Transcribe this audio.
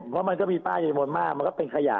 เพราะมันก็มีป้ายจำนวนมากมันก็เป็นขยะ